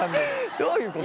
どういうこと？